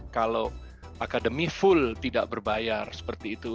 kalau akademi full tidak berbayar seperti itu